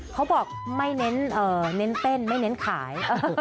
เขาบอกไม่เน้นเต้นไม่เน้นขาย